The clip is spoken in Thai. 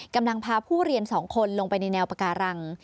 กำลังพาผู้เรียน๒คนลงไปในแนวปาการัง